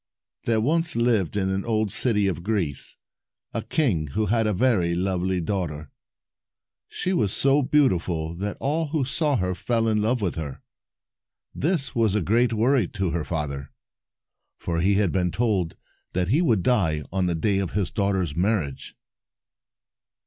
There once lived, in an old city of Greece, a king who had a very lovely daughter. She was so beautiful that all who saw her fell in love with her. This was a great worry to her father, for he had been told that he would die on the day of his daughter's marriage.